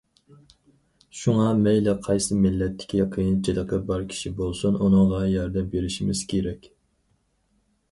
شۇڭا، مەيلى قايسى مىللەتتىكى قىيىنچىلىقى بار كىشى بولسۇن، ئۇنىڭغا ياردەم بېرىشىمىز كېرەك.